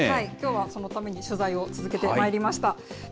きょうはそのために取材を続けてまいりました。